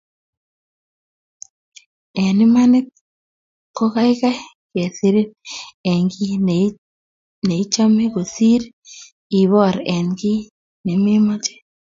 Eng imanit kogegei kesirin eng kiy neichamekosir iboor eng kiy nemaichame